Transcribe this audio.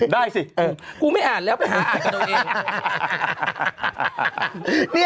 ได้สิกูไม่อ่านแล้วไปหาอ่านกันเอาเอง